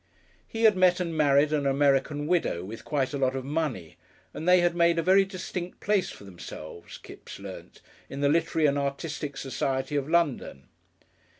He had met and married an American widow with quite a lot of money, and they had made a very distinct place for themselves, Kipps learnt, in the literary and artistic society of London.